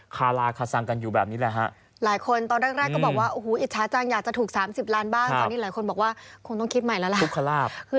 คงต้องคิดใหม่แล้ว